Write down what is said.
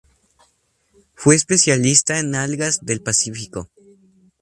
Fue especialista en algas del Pacífico.